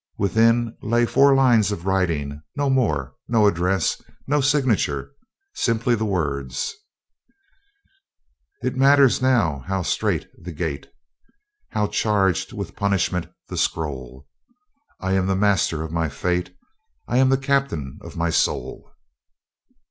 Within lay four lines of writing no more no address, no signature; simply the words: _"It matters now how strait the gate, How charged with punishment the scroll; I am the master of my fate, I am the captain of my soul."